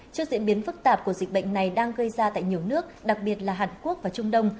trước diễn biến phức tạp của dịch bệnh này đang gây ra tại nhiều nước đặc biệt là hàn quốc và trung đông